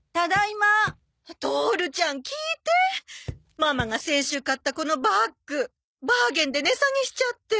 ママが先週買ったこのバッグバーゲンで値下げしちゃって。